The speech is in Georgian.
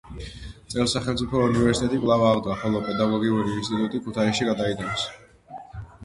წელს სახელმწიფო უნივერსიტეტი კვლავ აღდგა, ხოლო პედაგოგიური ინსტიტუტი ქუთაისში გადაიტანეს.